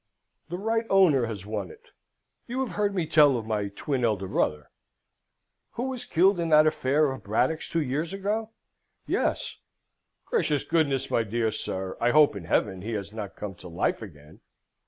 "The right owner has won it. You have heard me tell of my twin elder brother?" "Who was killed in that affair of Braddock's two years ago! Yes. Gracious goodness, my dear sir, I hope in heaven he has not come to life again?"